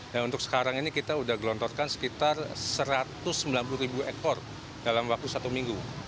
dan untuk sekarang ini kita sudah gelontorkan sekitar satu ratus sembilan puluh ekor dalam waktu satu minggu